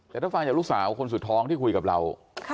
แต่ถ้าฟังจากลูกสาวคนสุดท้องที่คุยกับเรา